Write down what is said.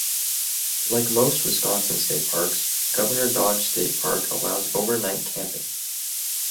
Like most Wisconsin State Parks, Governor Dodge State park allows overnight camping.